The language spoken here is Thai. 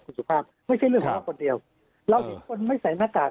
คุณสุภาพไม่ใช่เรื่องของเราคนเดียวเราเห็นคนไม่ใส่หน้ากาก